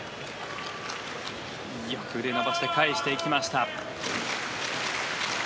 よく腕を伸ばして返していきました。